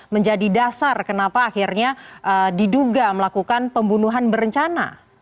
menjadi dasar kenapa akhirnya diduga melakukan pembunuhan berencana